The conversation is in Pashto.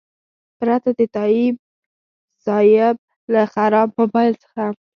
پرته د تایب صیب له خراب موبایل څخه.